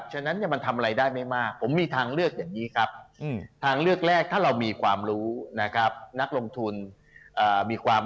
หมื่นบาทเศษเท่านั้นเองนะครับ